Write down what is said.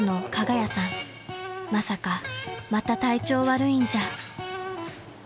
［まさかまた体調悪いんじゃ］